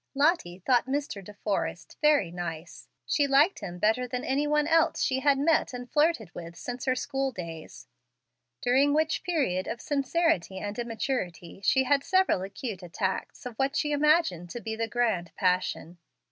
Lottie thought Mr. De Forrest "very nice." She liked him better than any one else she had met and flirted with since her school days, during which period of sincerity and immaturity she had had several acute attacks of what she imagined to be the "grand passion."